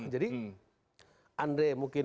jadi andre mungkin